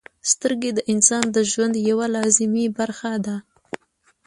• سترګې د انسان د ژوند یوه لازمي برخه ده.